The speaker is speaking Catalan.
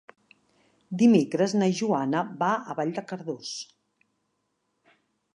Dimecres na Joana va a Vall de Cardós.